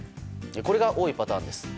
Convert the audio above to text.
これが多いパターンです。